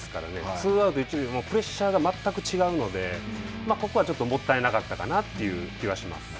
ツーアウト、一塁は、プレッシャーが全く違うので、ここはちょっともったいなかったかなという気はします。